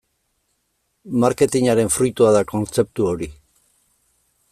Marketingaren fruitua da kontzeptu hori.